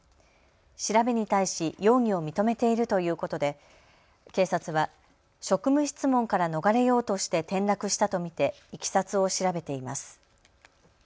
調べに対し容疑を認めているということで警察は職務質問から逃れようとして転落したと見ていきさつを調べています。